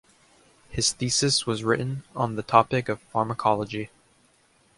His thesis was written on the topic of pharmacology.